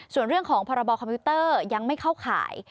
ส่วนเรื่องของพรบคอมพิวเตอร์ยังไม่เข้าข่าย